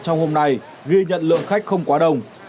trong hôm nay ghi nhận lượng khách không quá đông